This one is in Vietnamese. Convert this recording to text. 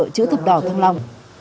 của chữ thập đỏ thân long